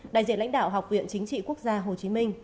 đại diện lãnh đạo học viện chính trị quốc gia hồ chí minh